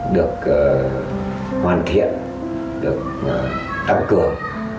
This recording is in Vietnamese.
được hoàn thiện được tăng cường